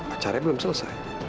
acaranya belum selesai